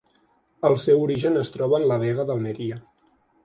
El seu origen es troba en la Vega d'Almeria.